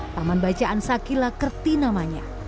taman bacaan sakila kerti namanya